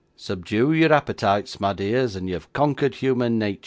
Subdue your appetites, my dears, and you've conquered human natur.